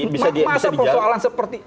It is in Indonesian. masa persoalan seperti